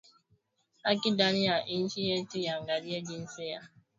Haki ndani ya inchi yetu aiangalie jinsia